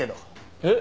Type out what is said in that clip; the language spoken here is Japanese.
えっ？